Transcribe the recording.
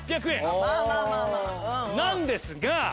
なんですが！